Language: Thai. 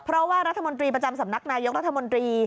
เพราะว่ารัฐมนตรีประจำสำนักนายกรัฐมนตรี